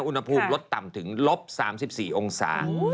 อุณหภูมิลดต่ำถึงลบ๓๔องศา